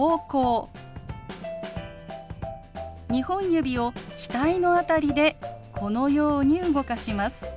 ２本指を額の辺りでこのように動かします。